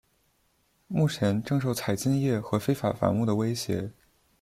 目前正受采金业和非法伐木的威胁。